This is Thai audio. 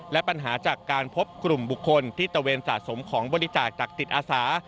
และปัญหาจากการพบกลุ่มบุคคลที่ตะเวนสะสมของบริจาคจากจิตอาสา